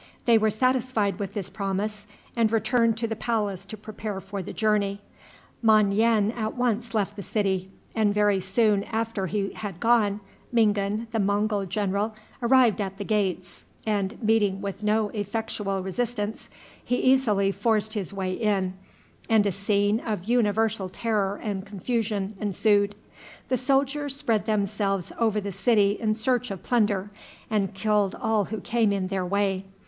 They were satisfied with this promise, and returned to the palace to prepare for the journey. Mon yen at once left the city, and very soon after he had gone, Mingan, the Mongul general, arrived at the gates, and, meeting with no effectual resistance, he easily forced his way in, and a scene of universal terror and confusion ensued. The soldiers spread themselves over the city in search of plunder, and killed all who came in their way.